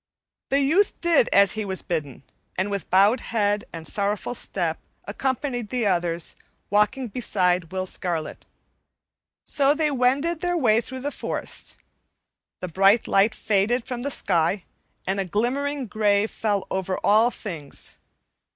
The youth did as he was bidden and, with bowed head and sorrowful step, accompanied the others, walking beside Will Scarlet. So they wended their way through the forest. The bright light faded from the sky and a glimmering gray fell over all things.